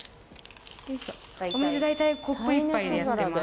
お水大体コップ１杯でやってます。